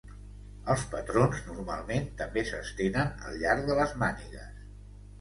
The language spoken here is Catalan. Els patrons normalment també s'estenen al llarg de les mànigues.